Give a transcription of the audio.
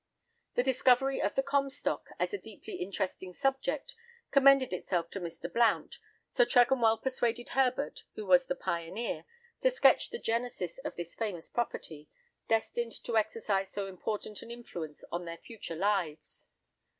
The discovery of the Comstock as a deeply interesting subject, commended itself to Mr. Blount; so Tregonwell persuaded Herbert, who was the pioneer, to sketch the genesis of this famous property, destined to exercise so important an influence on their future lives.